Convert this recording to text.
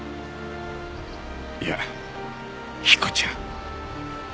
いや彦ちゃん。